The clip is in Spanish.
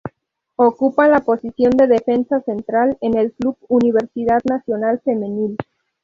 Ocupa la posición de Defensa Central en el Club Universidad Nacional Femenil.